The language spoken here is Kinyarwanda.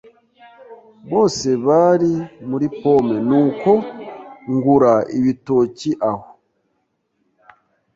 Bose bari muri pome, nuko ngura ibitoki aho.